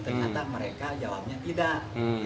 ternyata mereka jawabnya tidak